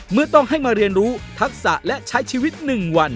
เมื่อต้องให้มาเรียนรู้ทักษะและใช้ชีวิต๑วัน